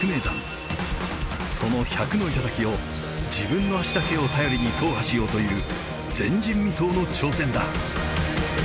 その１００の頂を自分の足だけを頼りに踏破しようという前人未到の挑戦だ。